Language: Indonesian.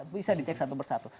bisa dicek satu persatu